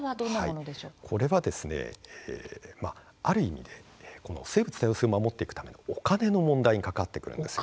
これはある意味で生物多様性を守っていくためのお金の問題に関わってくるんです。